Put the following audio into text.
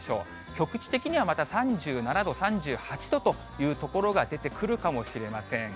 局地的にはまた３７度、３８度という所が出てくるかもしれません。